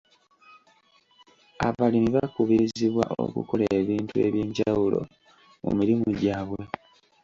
Abalimi bakubirizibwa okukola ebintu eby'enjawulo mu mirimu gyabwe.